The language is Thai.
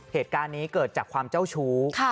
เหตุการณ์นี้เกิดจากความเจ้าชู้